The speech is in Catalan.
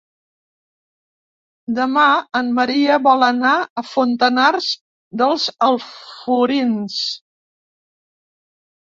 Demà en Maria vol anar a Fontanars dels Alforins.